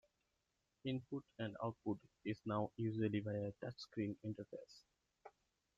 Input and output is now usually via a touch-screen interface.